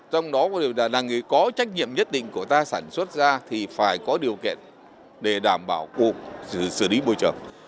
trong đó làng nghề có trách nhiệm nhất định của ta sản xuất ra thì phải có điều kiện để đảm bảo cuộc xử lý môi trường